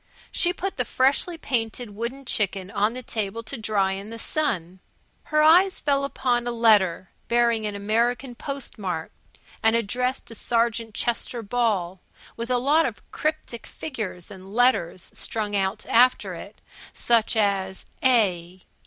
She put the freshly painted wooden chicken on the table to dry in the sun. Her eyes fell upon a letter bearing an American postmark and addressed to Sergeant Chester Ball, with a lot of cryptic figures and letters strung out after it, such as A.